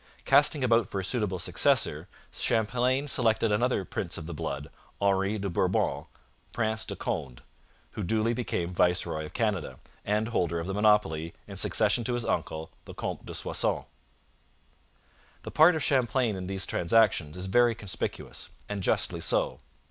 Casting about for a suitable successor, Champlain selected another prince of the blood Henri de Bourbon, Prince de Conde, who duly became viceroy of Canada and holder of the monopoly in succession to his uncle, the Comte de Soissons. The part of Champlain in these transactions is very conspicuous, and justly so.